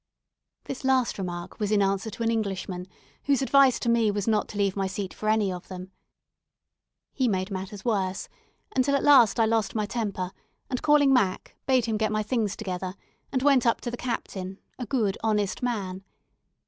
This last remark was in answer to an Englishman, whose advice to me was not to leave my seat for any of them. He made matters worse; until at last I lost my temper, and calling Mac, bade him get my things together, and went up to the captain a good honest man.